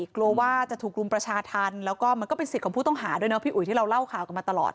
กลัวว่าจะถูกรุมประชาธรรมแล้วก็มันก็เป็นสิทธิ์ของผู้ต้องหาด้วยเนาะพี่อุ๋ยที่เราเล่าข่าวกันมาตลอด